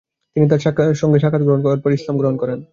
তিনি তার সাথে সাক্ষাত করেন ও এরপর ইসলাম গ্রহণ করেন।